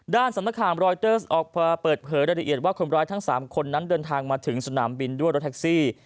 สำนักข่าวมรอยเตอร์ออกมาเปิดเผยรายละเอียดว่าคนร้ายทั้ง๓คนนั้นเดินทางมาถึงสนามบินด้วยรถแท็กซี่